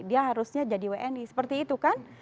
dia harusnya jadi wni seperti itu kan